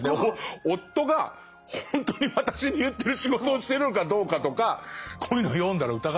夫がほんとに私に言ってる仕事をしてるのかどうかとかこういうのを読んだら疑っちゃうから。